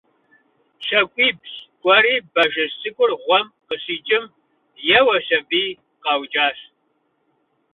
ЩакӀуибл кӀуэри, бажэжь цӀыкӀур гъуэм къыщикӀым еуэщ аби, къаукӀащ.